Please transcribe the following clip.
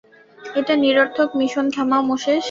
এই নিরর্থক মিশন থামাও, মোসেস।